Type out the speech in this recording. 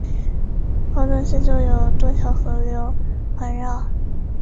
高墩四周有多条河流环绕。